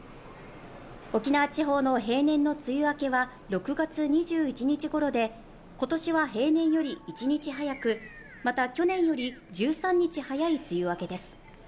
沖縄地方の平年の梅雨明けは６月２１日ごろで今年は平年より１日早くまた去年より１３日早い梅雨明けです